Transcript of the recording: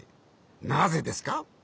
なぜですか？